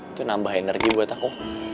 itu nambah energi buat aku